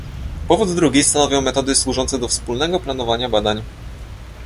Powód drugi stanowią metody służące do wspólnego planowania badań